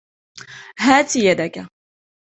هات يدك